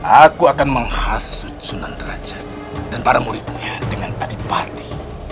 aku akan menghasut sunan derajat dan para muridnya dengan adipati